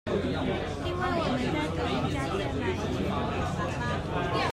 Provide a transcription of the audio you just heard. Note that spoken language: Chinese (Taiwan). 因為我們在同一家店買衣服